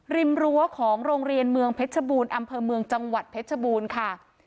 รั้วของโรงเรียนเมืองเพชรบูรณ์อำเภอเมืองจังหวัดเพชรบูรณ์ค่ะ